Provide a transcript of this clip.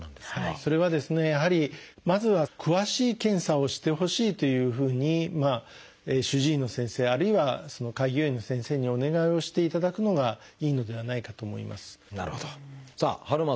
それはですねやはりまずは詳しい検査をしてほしいというふうに主治医の先生あるいは開業医の先生にお願いをしていただくのがいいのではないかと思います。